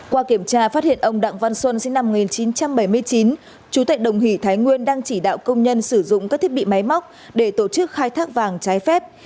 qua kiểm tra phát hiện ông đặng văn xuân sinh năm một nghìn chín trăm bảy mươi chín chú tệ đồng hỷ thái nguyên đang chỉ đạo công nhân sử dụng các thiết bị máy móc để tổ chức khai thác vàng trái phép